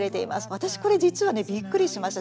私これ実はねびっくりしました。